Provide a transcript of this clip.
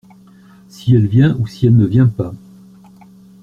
Si elle vient ou si elle ne vient pas.